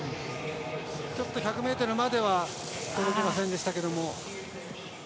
ちょっと１００ｍまでは届きませんでしたけども。